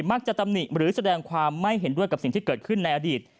ตำหนิหรือแสดงความไม่เห็นด้วยกับสิ่งที่เกิดขึ้นในอดีต